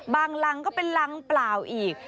รังก็เป็นรังเปล่าอีก